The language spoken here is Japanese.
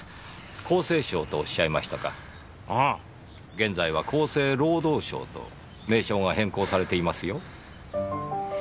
現在は厚生労働省と名称が変更されていますよ。